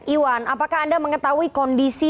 iwan apakah anda mengetahui kondisi